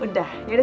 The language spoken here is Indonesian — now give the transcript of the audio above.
udah malem ini